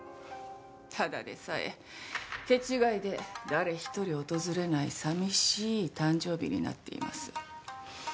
ただでさえ手違いで誰ひとり訪れない寂しい誕生日になっています。